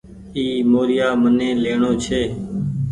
اي موريآ مني ليڻو ڇي۔